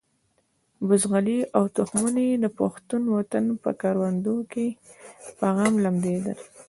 بزغلي او تخمونه یې د پښتون وطن په کروندو کې په غم لمدېدل.